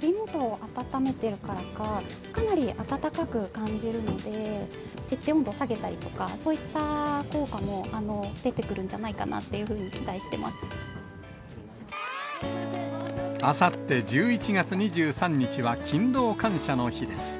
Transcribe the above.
首元を暖めてるからか、かなり暖かく感じるので、設定温度を下げたりとか、そういった効果も出てくるんじゃないかなっていうふうに期待してあさって１１月２３日は勤労感謝の日です。